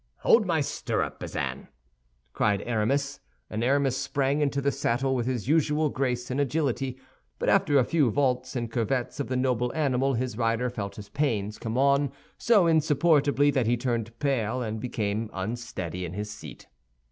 "Hold my stirrup, Bazin," cried Aramis; and Aramis sprang into the saddle with his usual grace and agility, but after a few vaults and curvets of the noble animal his rider felt his pains come on so insupportably that he turned pale and became unsteady in his seat.